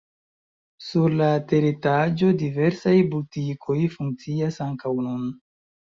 Sur la teretaĝo diversaj butikoj funkcias ankaŭ nun.